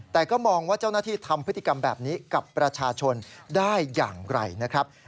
แต่ก็มองว่าเจ้าหน้าที่ทำพฤติกรรมแบบนี้กับประชาชนได้อย่างไรนะครับ